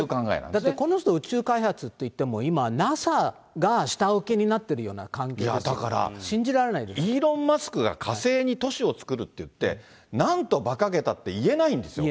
だって、この人、宇宙開発といっても、今、ＮＡＳＡが下請けになってるような関係だから、イーロン・マスクが火星に都市を作るっていって、なんとばかげたって言えないんですよ。